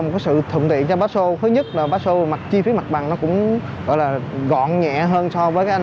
một sự thượng tiện cho basso thứ nhất là basso chi phí mặt bằng nó cũng gọn nhẹ hơn so với anh